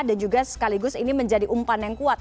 juga sekaligus ini menjadi umpan yang kuat